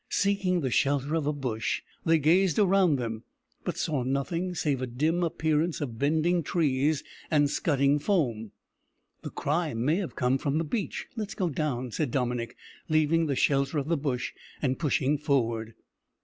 Seeking the shelter of a bush, they gazed around them, but saw nothing save a dim appearance of bending trees and scudding foam. "The cry may have come from the beach; let's go down," said Dominick, leaving the shelter of the bush, and pushing forward.